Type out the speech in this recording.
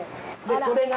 これが。